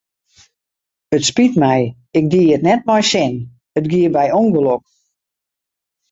It spyt my, ik die it net mei sin, it gie by ûngelok.